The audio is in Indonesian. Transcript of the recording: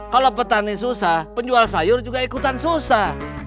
kalau petani susah penjual sayur juga ikutan susah